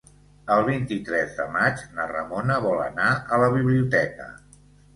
El vint-i-tres de maig na Ramona vol anar a la biblioteca.